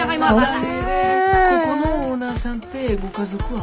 ここのオーナーさんってご家族は？